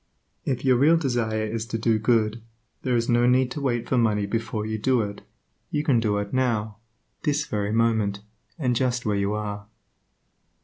If your real desire is to do good, there is no need to wait for money before you do it; you can do it now, this very moment, and just where you are.